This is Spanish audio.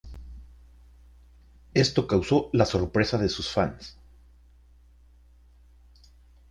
Esto causo la sorpresa de sus fans.